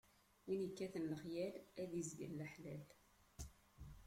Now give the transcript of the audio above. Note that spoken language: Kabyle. Win ikkaten lexyal, ad izgel leḥlal.